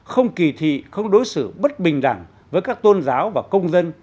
không kỳ thị không đối xử bất bình đẳng với các tôn giáo và công dân